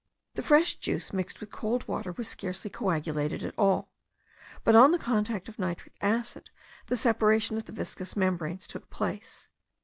The fresh juice mixed with cold water was scarcely coagulated at all; but on the contact of nitric acid the separation of the viscous membranes took place.